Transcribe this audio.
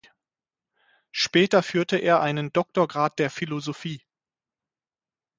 Später führte er einen Doktorgrad der Philosophie.